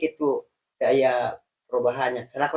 itsuka nyari dia melhor